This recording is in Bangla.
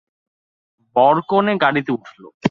বরকনে গাড়িতে উঠল।